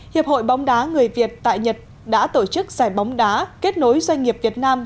hiệp hội bóng đá người việt tại nhật đã tổ chức giải bóng đá kết nối doanh nghiệp việt nam